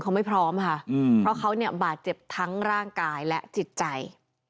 เขาไม่พร้อมข้อเขาบาดเจ็บทั้งร่างกายและจิตใจ